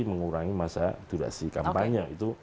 mengurangi masa durasi kampanye